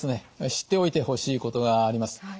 知っておいてほしいことがあります。